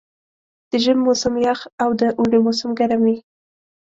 د ژمي موسم یخ او د اوړي موسم ګرم وي.